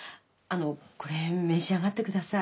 これ召し上がってください。